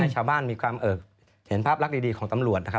ให้ชาวบ้านมีความเห็นภาพลักษณ์ดีของตำรวจ